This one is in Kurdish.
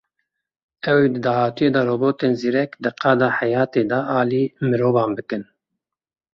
Ew ê di dahatûyê de robotên zîrek di qada heyatê de alî mirovan bikin.